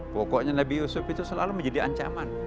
pokoknya nabi yusuf itu selalu menjadi ancaman